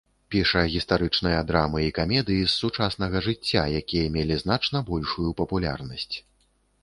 Піша гістарычныя драмы і камедыі з сучаснага жыцця, якія мелі значна большую папулярнасць.